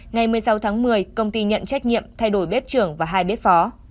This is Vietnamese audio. ngày một mươi sáu tháng một mươi công ty nhận trách nhiệm thay đổi bếp trưởng và hai bếp phó